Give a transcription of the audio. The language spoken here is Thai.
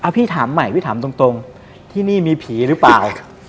พี่ถามใหม่พี่ถามตรงที่นี่มีผีหรือเปล่า